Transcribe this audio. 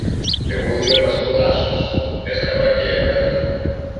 Εγώ δούλευα στο δάσος, έσκαβα κι έβγαζα.